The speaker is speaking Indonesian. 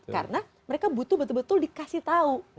karena mereka butuh betul betul dikasih tahu